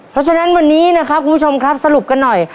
เพราะฉะนั้นวันนี้นะครับคุณผู้ชมครับสรุปกันหน่อย